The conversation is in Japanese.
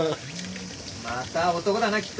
また男だなきっと。